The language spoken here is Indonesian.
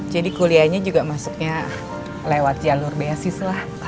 jadi kuliahnya juga masuknya lewat jalur bsist lah